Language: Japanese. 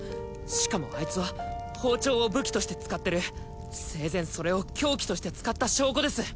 しかもあいつは包丁を武器として使ってる生前それを凶器として使った証拠です